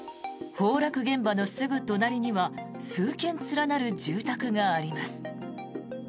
崩落現場のすぐ隣には数軒連なる住宅があります。